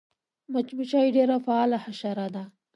مچمچۍ ډېره فعاله حشره ده